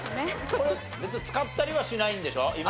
これ別に使ったりはしないんでしょ？